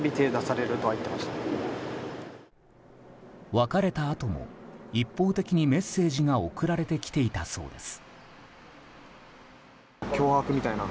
別れたあとも一方的にメッセージが送られてきていたそうです。